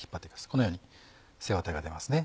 このように背ワタが出ます。